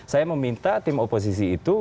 saya meminta tim oposisi itu